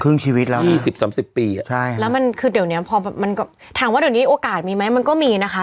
ชีวิตแล้วยี่สิบสามสิบปีอ่ะใช่แล้วมันคือเดี๋ยวเนี้ยพอมันก็ถามว่าเดี๋ยวนี้โอกาสมีไหมมันก็มีนะคะ